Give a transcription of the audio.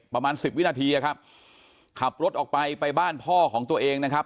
ประมาณสิบวินาทีครับขับรถออกไปไปบ้านพ่อของตัวเองนะครับ